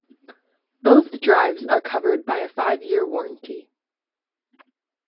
Both drives are covered by a five-year warranty.